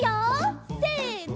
せの。